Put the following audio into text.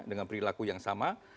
dengan perilaku yang sama